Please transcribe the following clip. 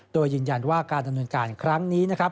โดยยืนยันว่าการดำเนินการครั้งนี้นะครับ